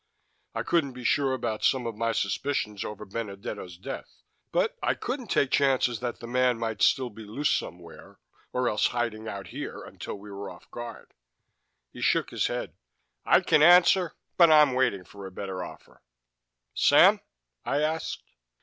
I couldn't be sure about some of my suspicions over Benedetto's death, but I couldn't take chances that the man might still be loose somewhere, or else hiding out here until we were off guard. He shook his head. "I can answer, but I'm waiting for a better offer." "Sam?" I asked.